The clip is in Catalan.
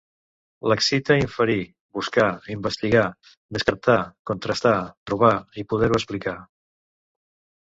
L'excita inferir, buscar, investigar, descartar, contrastar, trobar i poder-ho explicar.